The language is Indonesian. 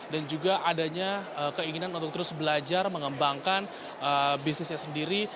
dan juga adanya keinginan untuk terus belajar mengembangkan bisnisnya sendiri